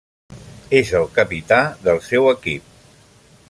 És el capità del seu equip.